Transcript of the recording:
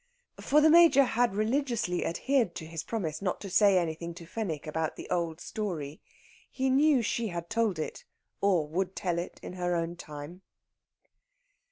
For the Major had religiously adhered to his promise not to say anything to Fenwick about the old story. He knew she had told it, or would tell it in her own time.